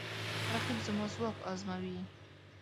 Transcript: رقیب زما ځواک ازموي